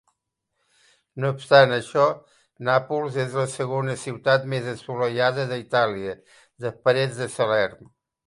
No obstant això, Nàpols és la segona ciutat més assolellada d'Itàlia, després de Salern.